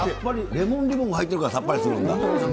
レモンリボンが入ってるからさっぱりするんだ。